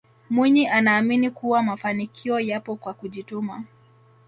mwinyi anaamini kuwa mafanikio yapo kwa kujituma